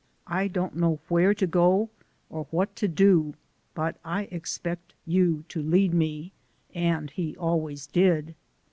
I don't know where to go or what to do, but I ex pect you to lead me,' an' he always did."